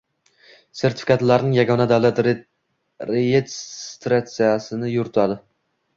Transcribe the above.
sertifikatlarining yagona davlat reyestrini yuritadi